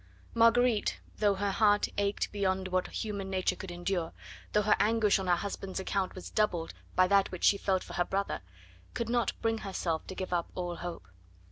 Marguerite though her heart ached beyond what human nature could endure, though her anguish on her husband's account was doubled by that which she felt for her brother could not bring herself to give up all hope.